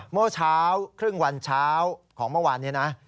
เมื่อเช้าครึ่งวันเช้าของเมื่อวานนี้นะ